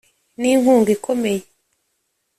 Ni inkunga ikomeye